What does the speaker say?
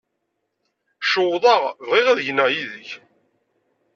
Cewḍeɣ, bɣiɣ ad gneɣ yid-k.